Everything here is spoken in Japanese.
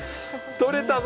取れたぞ！